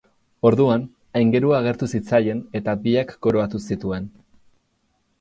Orduan, aingerua agertu zitzaien eta biak koroatu zituen.